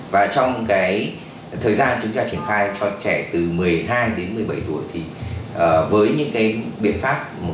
và trong cái thời gian chúng ta triển khai cho trẻ từ một mươi hai đến một mươi bảy tuổi thì với những cái biện pháp một cách hết sức đồng bộ như vậy thì cái công chiến dịch này đã thành công